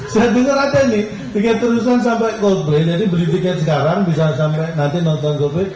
saya dengar ada nih tiket terusan sampai komplain jadi beli tiket sekarang bisa sampai nanti nonton govern